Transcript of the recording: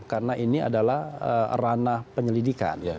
karena ini adalah ranah penyelidikan